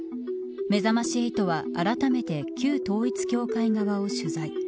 めざまし８は、あらためて旧統一教会側を取材。